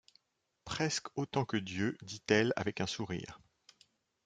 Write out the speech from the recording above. Presque autant que Dieu, dit-elle avec un sourire.